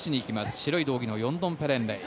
白い道着のヨンドンペレンレイ。